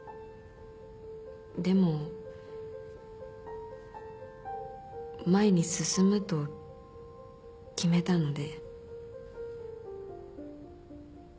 でも前に進むと決めたので。